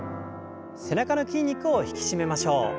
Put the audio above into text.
背中の筋肉を引き締めましょう。